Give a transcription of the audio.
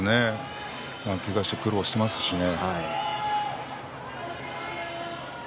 けがをして苦労していますからね。